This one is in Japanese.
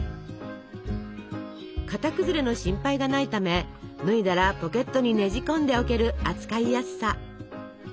形崩れの心配がないため脱いだらポケットにねじ込んでおける扱いやすさ。